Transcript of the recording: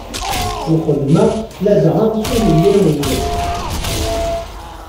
Lxedma ladɣa tilelli-ines.